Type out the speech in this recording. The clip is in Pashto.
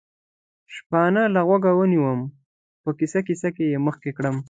شپانه له غوږه ونیوم، په کیسه کیسه یې مخکې کړم.